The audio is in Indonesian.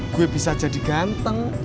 gue bisa jadi ganteng